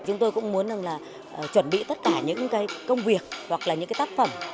chúng tôi cũng muốn chuẩn bị tất cả những công việc hoặc là những tác phẩm